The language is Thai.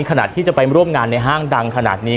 ขณะที่จะไปร่วมงานในห้างดังขนาดนี้